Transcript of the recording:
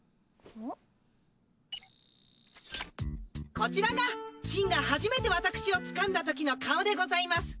こちらがシンが初めて私をつかんだときの顔でございます。